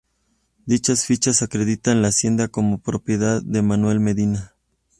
Dichas fichas acreditan la hacienda como propiedad de Manuel Medina.